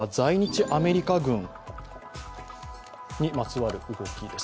続いては在日アメリカ軍にまつわる動きです。